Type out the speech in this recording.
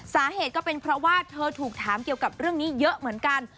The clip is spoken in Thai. สาเหตุก็เป็นเพราะว่าเธอถูกถามเกี่ยวกับเรื่องนี้เยอะเหมือนกัน